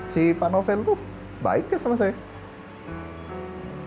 si pak novel itu baik ya sama saya